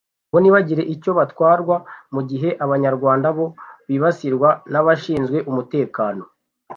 bo ntibagire icyo batwarwa; mu gihe abanyarwanda bo bibasirwa n’abashinzwe umutekano